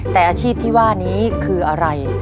แต่อาชีพที่ว่านี้คืออะไร